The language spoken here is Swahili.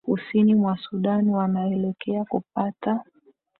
kusini mwa sudan wanaelekea kupata